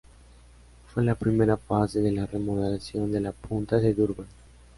Fue la primera fase de la remodelación de la Punta de Durban.